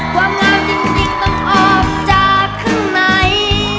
ความงามจริงต้องออกจากข้างใน